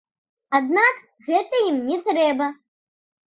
Аднак гэта ім не трэба.